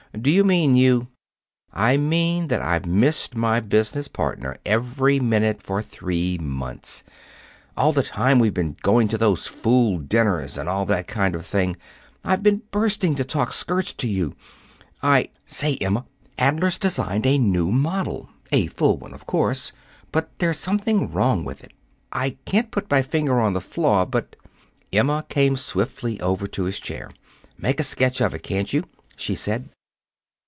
Do you mean you " "I mean that I've missed my business partner every minute for three months. All the time we've been going to those fool dinners and all that kind of thing, I've been bursting to talk skirts to you. I say, Emma, Adler's designed a new model a full one, of course, but there's something wrong with it. I can't put my finger on the flaw, but " Emma came swiftly over to his chair. "Make a sketch of it, can't you?" she said.